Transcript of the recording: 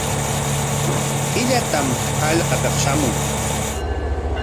Killatam hallqapik shamun.